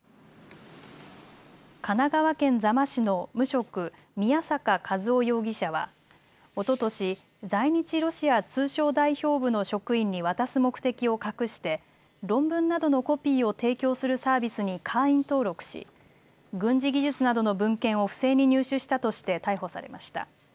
神奈川県座間市の無職、宮坂和雄容疑者はおととし在日ロシア通商代表部の職員に渡す目的を隠して論文などのコピーを提供するサービスに会員登録し、軍事技術などの文献を不正に入手したとして逮捕されました。